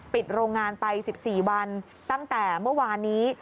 โรงงานไป๑๔วันตั้งแต่เมื่อวานนี้